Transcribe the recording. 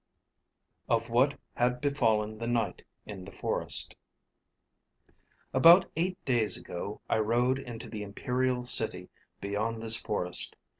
OF WHAT HAD BEFALLEN THE KNIGHT IN THE FOREST "About eight days ago, I rode into the imperial city beyond this forest.